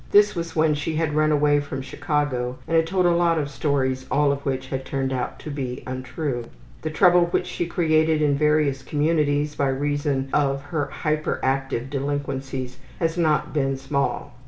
This was when she had run away from Chicago and had told a lot of stories all of which had turned out to be untrue. The trouble which she created in various communities by reason of her hyperactive delinquencies has not been small.